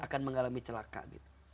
akan mengalami celaka gitu